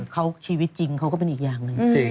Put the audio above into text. เขาชีวิตจริงเขาก็เป็นอีกอย่างหนึ่ง